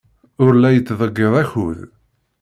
Ur la yettḍeyyiɛ akud.